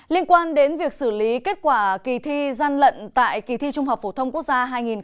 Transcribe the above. liên quan đến việc xử lý kết quả kỳ thi gian lận tại kỳ thi trung học phổ thông quốc gia hai nghìn một mươi tám